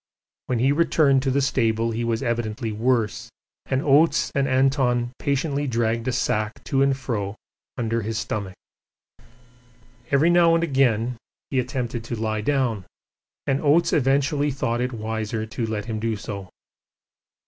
When he returned to the stable he was evidently worse, and Oates and Anton patiently dragged a sack to and fro under his stomach. Every now and again he attempted to lie down, and Oates eventually thought it wiser to let him do so.